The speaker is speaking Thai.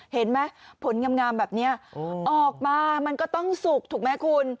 เห็นไหมผลงามแบบนี้ออกมามันก็ต้องสุกถูกไหมคุณ